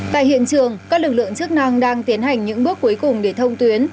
tại hiện trường các lực lượng chức năng đang tiến hành những bước cuối cùng để thông tuyến